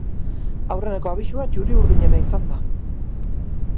Aurreneko abisua txuri-urdinena izan da.